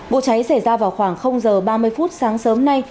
vụ cháy xảy ra vào khoảng h ba mươi phút sáng sớm nay